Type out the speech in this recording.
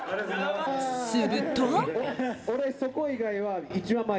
すると。